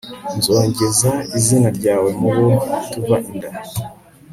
nzogeza izina ryawe mubo tuva inda